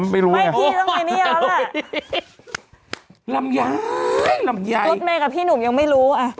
ไม่ว่าอยากรู้เป็นใคร